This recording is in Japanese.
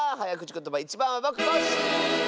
ことばいちばんはぼくコッシー！